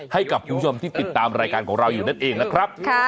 ให้กับคุณผู้ชมที่ติดตามรายการของเราอยู่นั่นเองนะครับ